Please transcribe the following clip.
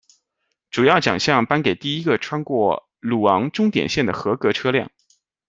主要奖项颁给第一个穿过鲁昂终点线的合格车辆。